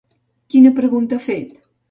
Quina pregunta ha fet?